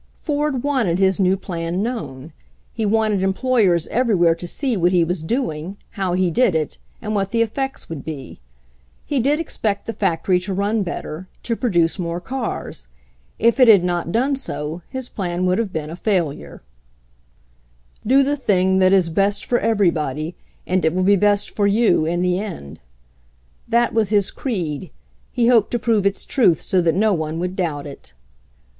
\ Ford wanted his new plan known; he wanted employers everywhere to see what he was doing, how he did it, and what the effects would be. He did expect the factory to run better, to produce more cars. If it had not done so his plan would have been a failure, j "Do the thing 1 that is best for everybody and it will be best for you in the end." That was his creed. He hoped to prove its truth so that no ^ one would doubt it.